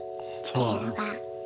そう。